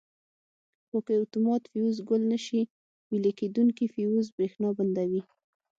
خو که اتومات فیوز ګل نه شي ویلې کېدونکي فیوز برېښنا بندوي.